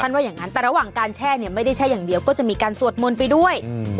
ว่าอย่างนั้นแต่ระหว่างการแช่เนี่ยไม่ได้แช่อย่างเดียวก็จะมีการสวดมนต์ไปด้วยอืม